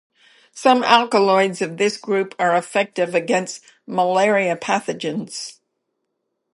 Some alkaloids of this group are effective against malaria pathogens.